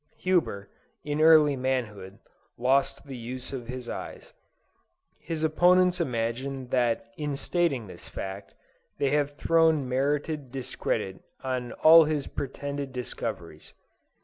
Huber, in early manhood, lost the use of his eyes. His opponents imagine that in stating this fact, they have thrown merited discredit on all his pretended discoveries.